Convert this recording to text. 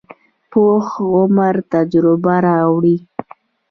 پوخ عمر تجربه راوړي